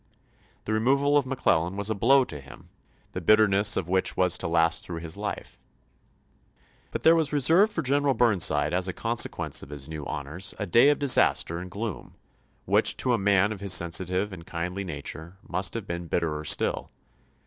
The removal of McClellan was a blow to him, the bitterness of which was to last through his life ; but there was reserved for General Burn side as a consequence of his new honors a day of disaster and gloom, which to a man of his sensitive and kindly nature must have been bitterer still.